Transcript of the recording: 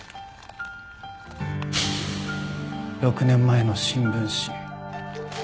６年前の新聞紙。